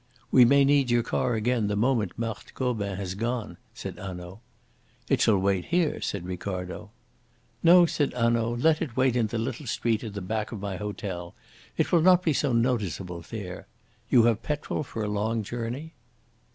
"We may need your car again the moment Marthe Gobin has gone," said Hanaud. "It shall wait here," said Ricardo. "No," said Hanaud; "let it wait in the little street at the back of my hotel. It will not be so noticeable there. You have petrol for a long journey?"